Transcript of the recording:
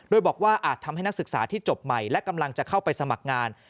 โดยบอกว่าอาจทำให้นักศึกษาที่จบใหม่และกำลังจะเข้าไปสมัครงาน